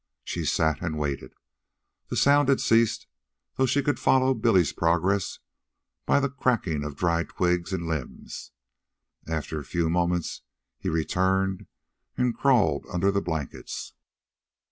She sat and waited. The sound had ceased, though she could follow Billy's progress by the cracking of dry twigs and limbs. After a few moments he returned and crawled under the blankets.